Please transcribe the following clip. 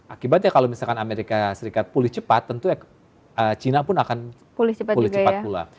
akibatnya kalau misalkan amerika serikat pulih cepat tentu cina pun akan pulih cepat pula